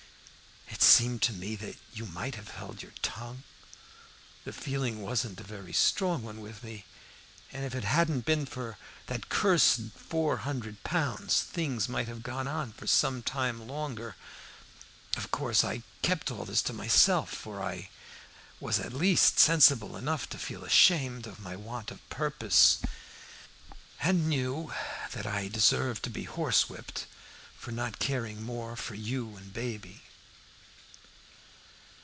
It seemed to me that you might have held your tongue. The feeling wasn't a very strong one with me, and if it hadn't been for that cursed four hundred pounds, things might have gone on for some time longer. Of course I kept all this to myself, for I was at least sensible enough to feel ashamed of my want of purpose, and knew that I deserved to be horsewhipped for not caring more for you and baby.